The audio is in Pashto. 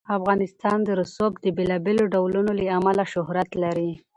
افغانستان د رسوب د بېلابېلو ډولونو له امله شهرت لري.